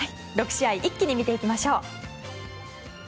６試合一気に見ていきましょう。